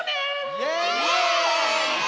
イエーイ！